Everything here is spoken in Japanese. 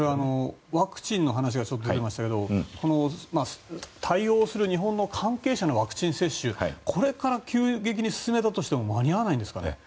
ワクチンの話がちょっと出ていましたが対応する日本の関係者のワクチン接種これから急激に進めたとしても間に合わないんですかね。